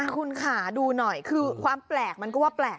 คุณค่ะดูหน่อยคือความแปลกมันก็ว่าแปลก